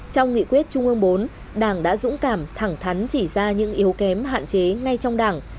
trong nghị quyết trung ương bốn đảng đã dũng cảm thẳng thắn chỉ ra những yếu kém hạn chế ngay trong đảng